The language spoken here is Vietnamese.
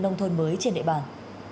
nông thôn mới trên địa bàn